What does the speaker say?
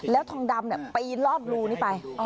แล้วทองดำปีนลอดรูนี้ไป